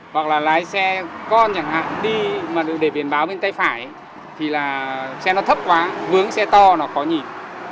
hoặc là lái xe con chẳng hạn đi mà để biển báo bên tay phải thì là xe nó thấp quá vướng xe to nó khó nhìn